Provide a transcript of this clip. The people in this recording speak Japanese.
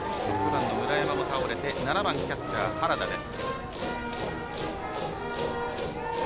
６番の村山が倒れて７番、キャッチャー原田です。